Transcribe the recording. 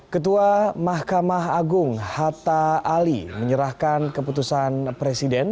ketua mahkamah agung hatta ali menyerahkan keputusan presiden